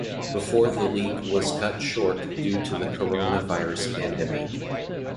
Before the league was cut short due to the corona virus pandemic.